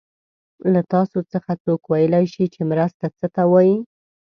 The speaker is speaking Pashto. له تاسو څخه څوک ویلای شي چې مرسته څه ته وايي؟